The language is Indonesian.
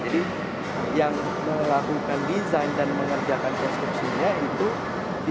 jadi yang melakukan design dan mengerjakan konstruksinya itu pihak yang sama kontraktor